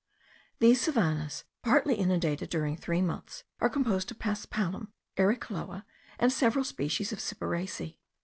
These savannahs, partly inundated during three months, are composed of paspalum, eriochloa, and several species of cyperaceae.